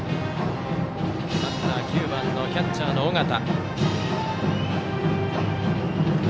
バッターは９番のキャッチャー、尾形。